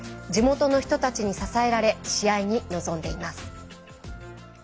地元の人たちに支えられ試合に臨んでいます。